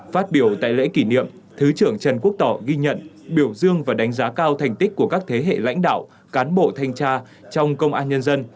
phát biểu tại lễ kỷ niệm thứ trưởng trần quốc tỏ ghi nhận biểu dương và đánh giá cao thành tích của các thế hệ lãnh đạo cán bộ thanh tra trong công an nhân dân